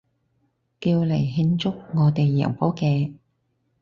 叫嚟慶祝我哋贏波嘅